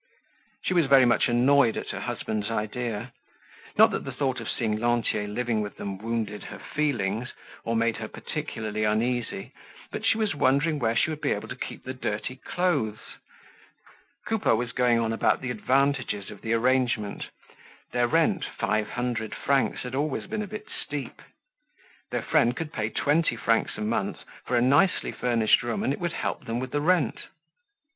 She was very much annoyed at her husband's idea; not that the thought of seeing Lantier living with them wounded her feelings, or made her particularly uneasy, but she was wondering where she would be able to keep the dirty clothes. Coupeau was going on about the advantages of the arrangement. Their rent, five hundred francs, had always been a bit steep. Their friend could pay twenty francs a month for a nicely furnished room and it would help them with the rent.